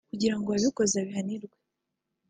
kugira ngo uwabikoze abihanirwe"